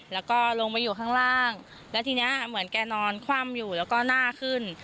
แล้วก็ลงไปอยู่ข้างล่างแล้วทีนี้เหมือนแกนอนคว่ำอยู่แล้วก็หน้าขึ้น